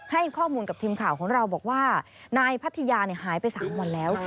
ให้ข้อมูลกับทีมข่าวของเราบอกว่านายพัทยาหายไป๓วันแล้ว